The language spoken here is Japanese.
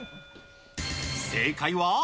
正解は？